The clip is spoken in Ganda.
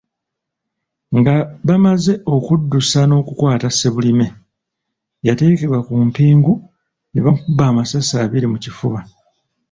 Nga bamaze okuddusa n'okukwata Ssebulime, yateekebwa ku mpingu ne bamukuba amasasi abiri mu kifuba